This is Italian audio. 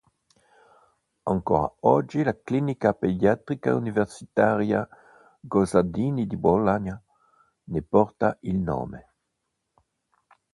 Ancora oggi la Clinica Pediatrica Universitaria Gozzadini di Bologna ne porta il nome.